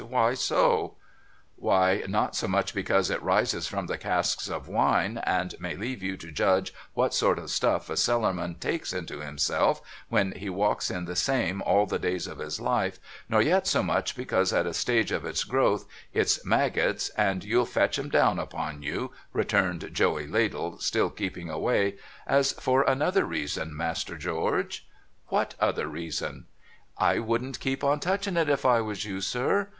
Why so ?'' Why, not so much because it rises from the casks of wine, and may leave you to judge what sort of stuff a Cellarman takes into himself when he walks in the same all the days of his life, nor yet so much because at a stage of its growth it's maggots, and you'll fetch 'em down upon you,' returned Joey Ladle, still keeping away, ' as for another reason, Master George.' ' What other reason ?'' (I wouldn't keep on touchin' it, if I was you, sir.)